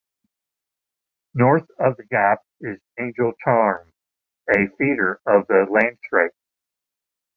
North of the gap is Angle Tarn, a feeder of the Langstrath.